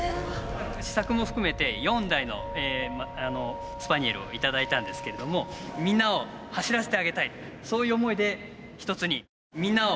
試作も含めて４台のスパニエルを頂いたんですけれどもみんなを走らせてあげたいそういう思いで一つに。